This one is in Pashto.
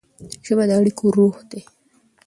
ژبه د اړیکو روح ده.